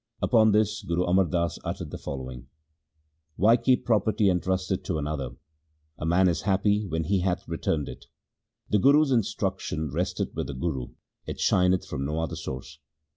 Upon this Guru Amar Das uttered the following :— Why keep property entrusted to another ? A man is happy when he hath returned it. 1 The Guru's instruction resteth with the Guru ; it shineth from no other source.